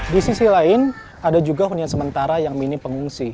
di sisi lain ada juga hunian sementara yang minim pengungsi